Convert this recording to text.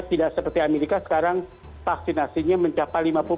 tidak seperti amerika sekarang vaksinasinya mencapai lima puluh empat